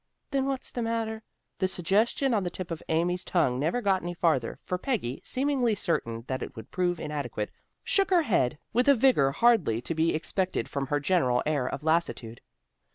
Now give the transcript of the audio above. "Then what's the matter " The suggestion on the tip of Amy's tongue never got any farther, for Peggy, seemingly certain that it would prove inadequate, shook her head with a vigor hardly to be expected from her general air of lassitude.